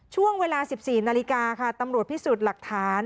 ช่วงเวลา๑๔นาฬิกาค่ะตำรวจพิสูจน์หลักฐาน